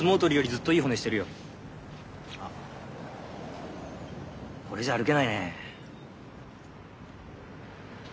あっこれじゃ歩けないね。